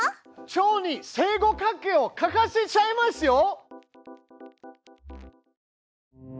チョウに正五角形を描かせちゃいますよ！